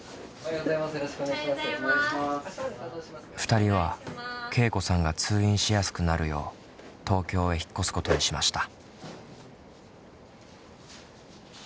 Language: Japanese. ２人はけいこさんが通院しやすくなるよう東京へ引っ越すことにしました。